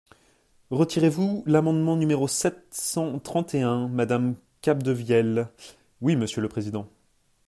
Retirez-vous l’amendement numéro sept cent trente et un, madame Capdevielle ? Oui, monsieur le président.